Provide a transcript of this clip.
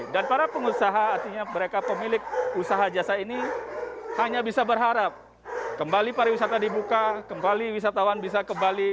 dan para pengusaha artinya mereka pemilik usaha jasa ini hanya bisa berharap kembali pariwisata dibuka kembali wisatawan bisa kembali